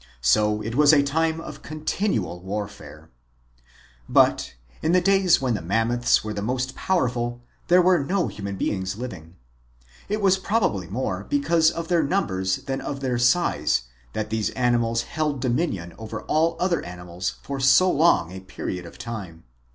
So it was a time of continual warfare. But, in the days when the Mammoths were the most powerful, there were no human beings living. It was probably more because of their numbers than of their size that these animals held dominion over all other animals for so long a period of time.